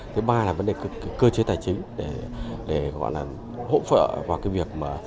thứ ba là vấn đề cơ chế tài chính để hỗn vợ vào việc mở